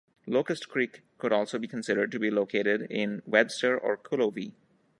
Locust Creek could also be considered to be located in Webster or Cullowhee.